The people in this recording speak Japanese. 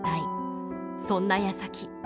そんなやさき。